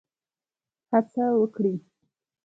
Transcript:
هڅه وکړي.